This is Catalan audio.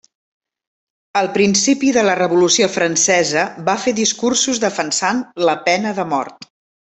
Al principi de la Revolució francesa va fer discursos defensant la pena de mort.